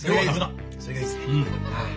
それがいいですねはい。